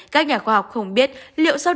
các nhà khoa học không biết liệu sau